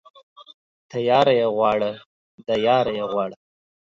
تياره يې غواړه ، د ياره يې غواړه.